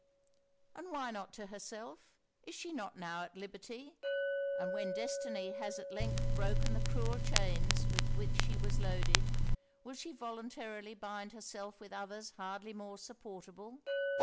'And why not to herself? Is she not now at liberty? And when destiny has at length broken the cruel chains with which she was loaded, will she voluntarily bind herself with others hardly more supportable?